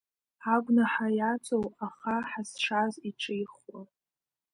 Агәнаҳа иаҵоу, аха Ҳазшаз иҿихуа…